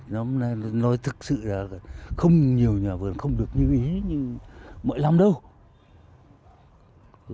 lắm nay nói thực sự là không nhiều nhà vườn không được như ý như mọi lắm đâu